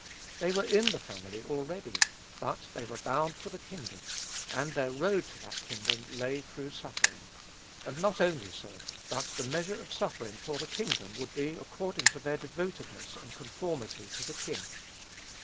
They were in the family already; but they were bound for the kingdom; and their road to that kingdom lay through suffering; and not only so, but the measure of suffering for the kingdom would be according to their devotedness and conformity to the King.